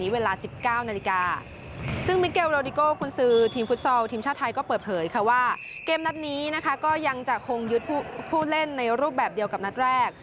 ว่าเกมนัดนี้ก็ยังจะคงยึดผู้เล่นในรูปแบบเดียวกับนัดแรก